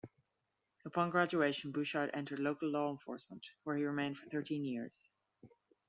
Upon graduation Bouchard entered local law enforcement where he remained for thirteen years.